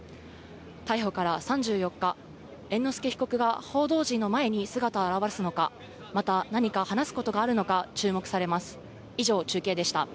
逮捕から３４日、猿之助被告は報道陣の前に姿を現すのか、また何か話すことがあるのか、注目されます。